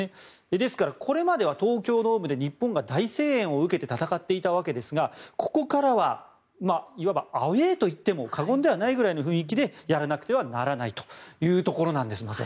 ですからこれまでは東京ドームで日本が大声援を受けて戦っていたわけですがここからは、いわばアウェーといっても過言ではないくらいの雰囲気でやらなくてはならないということなんです。